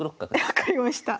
分かりました。